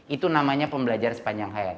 itu namanya pembelajar sepanjang hari